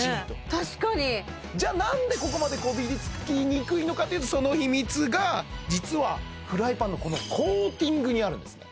確かにじゃあなんでここまでこびりつきにくいのかというとその秘密が実はフライパンのこのコーティングにあるんですね